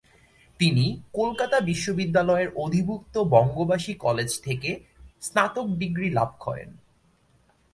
তিনি কলকাতা বিশ্ববিদ্যালয়ের অধিভুক্ত বঙ্গবাসী কলেজ থেকে স্নাতক ডিগ্রি লাভ করেন।